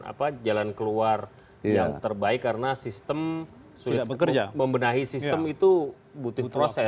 apa jalan keluar yang terbaik karena sistem sulit membenahi sistem itu butuh proses